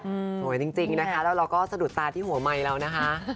สวยจริงนะคะแล้วเราก็สะดุดตาที่หัวไมค์เรานะคะ